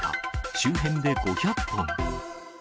周辺で５００本。